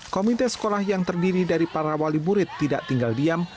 komite sekolah yang terdiri dari para wali murid tidak tinggal diam